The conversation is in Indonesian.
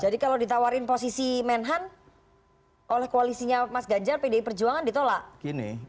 jadi kalau ditawarin posisi menhan oleh koalisinya mas ganjar pdi perjuangan ditolak